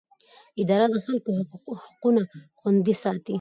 اداره د خلکو حقونه خوندي ساتي.